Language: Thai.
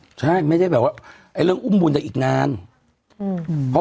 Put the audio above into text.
ใช่ไม่ได้แบบว่าไอ้เรื่องอุ้มบุญได้อีกนานอืม